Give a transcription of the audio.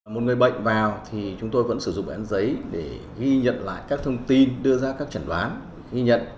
một người bệnh vào thì chúng tôi vẫn sử dụng bệnh án giấy để ghi nhận lại các thông tin đưa ra các trần đoán